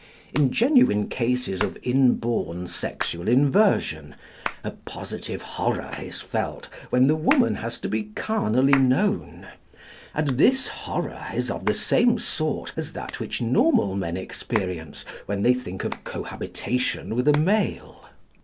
In genuine cases of inborn sexual inversion a positive horror is felt when the woman has to be carnally known; and this horror is of the same sort as that which normal men experience when they think of cohabitation with a male.